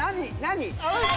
何？